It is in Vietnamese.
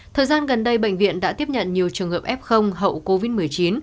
thời gian gần đây bệnh viện đã tiếp nhận nhiều trường hợp f hậu covid một mươi chín